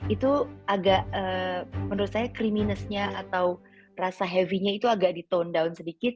itu agak menurut saya creaminessnya atau rasa heavynya itu agak ditone down sedikit